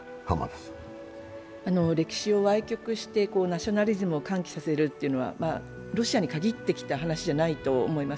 歴史をわい曲してナショナリズムを喚起するというのはロシアにかぎってきた話ではないと思います。